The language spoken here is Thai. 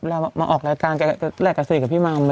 เวลามาออกรายการและกัสดิกับพี่มาม